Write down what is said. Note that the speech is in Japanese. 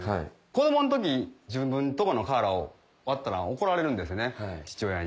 子どもの時自分とこの瓦を割ったら怒られるんですね父親に。